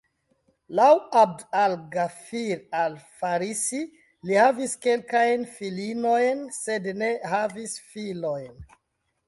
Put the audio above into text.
Laŭ 'Abd al-Ghafir al-Farisi, li havis kelkajn filinojn, sed ne havis filojn.